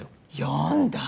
読んだ？